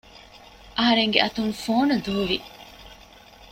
އަހަރެންގެ އަތުން ފޯނު ދޫވި